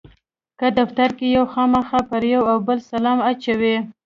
که دفتر کې یو خامخا پر یو او بل سلام اچوو.